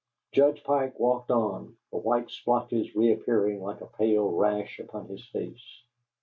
Judge Pike walked on, the white splotches reappearing like a pale rash upon his face.